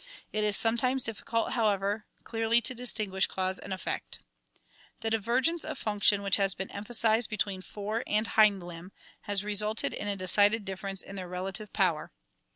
It is sometimes difficult, however, clearly to distinguish cause and effect. The divergence of function which has been emphasized between fore and kind limb has resulted in a decided difference in their relative power.